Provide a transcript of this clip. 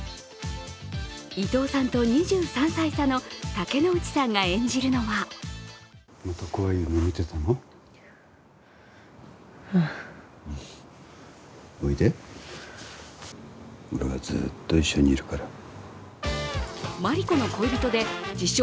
伊藤さんと２３歳差の竹野内さんが演じるのはマリコの恋人で自称